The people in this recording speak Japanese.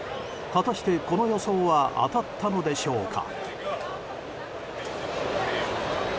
果たして、この予想は当たったのでしょうか。